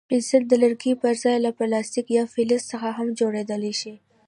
پنسل د لرګي پر ځای له پلاستیک یا فلز څخه هم جوړېدای شي.